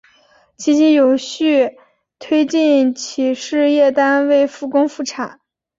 积极有序推进企事业单位复工复产